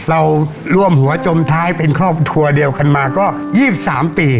เราร่วมหัวจมท้ายเป็นครอบครัวเดียวกันมาก็๒๓ปี